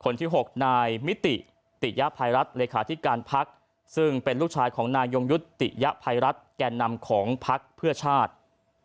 คนที่๖นายมิติติยภัยรัฐเลขาธิการพักซึ่งเป็นลูกชายของนายยงยุติยภัยรัฐแก่นำของพักเพื่อชาติ